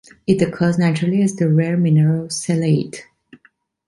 It occurs naturally as the rare mineral sellaite.